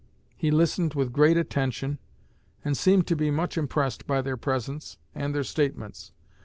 He listened with great attention, and seemed to be much impressed by their presence and their statements.